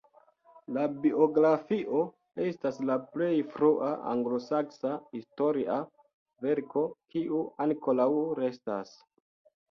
La biografio estas la plej frua anglosaksa historia verko kiu ankoraŭ restas.